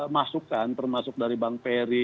masukan termasuk dari bang ferry